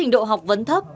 dạ hỗ trợ trước